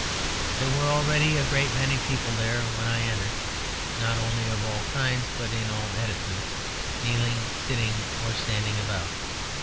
There were already a great many people there when I entered, not only of all kinds, but in all attitudes, kneeling, sitting, or standing about.